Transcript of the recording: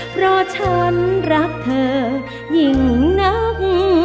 เพราะฉันรักเธอยิ่งนัก